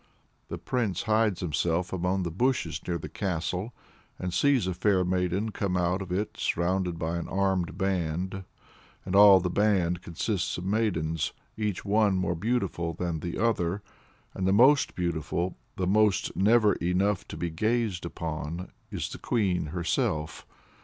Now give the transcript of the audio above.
The Prince hides himself among the bushes near the castle, and sees a fair maiden come out of it surrounded by an armed band, "and all the band consists of maidens, each one more beautiful than the other. And the most beautiful, the most never enough to be gazed upon, is the Queen herself."